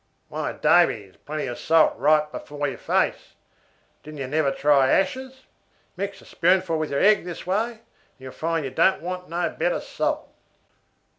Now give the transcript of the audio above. "Why, Davy, there's plenty of salt right before your face. Did you never try ashes? Mix a spoonful with your egg this way, and you'll find you don't want no better salt."